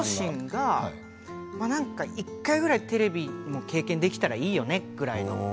両親が１回ぐらいテレビを経験できたらいいよねぐらいの。